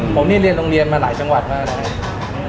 ผมเรียนโรงเรียนมาหลายจังหวัดมากเลย